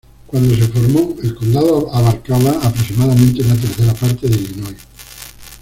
Cuando se formó, el condado abarcaba aproximadamente una tercera parte de Illinois.